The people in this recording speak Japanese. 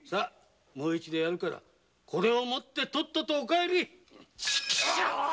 もう一度やるからこれを持ってとっととお帰りちくしょうおら